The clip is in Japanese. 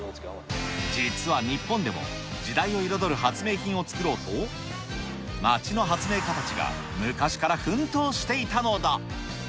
実は日本でも、時代を彩る発明品を作ろうと、町の発明家たちが昔から奮闘していたのだ。